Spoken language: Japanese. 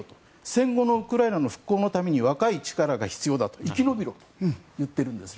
戦後のウクライナの復興のために若い力が必要だと生き延びろと言っているんです。